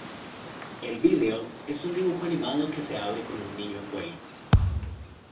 El vídeo es un dibujo animado que se abre con un niño en vuelo.